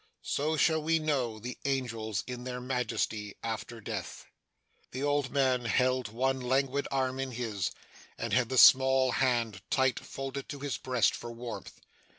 So shall we know the angels in their majesty, after death. The old man held one languid arm in his, and had the small hand tight folded to his breast, for warmth.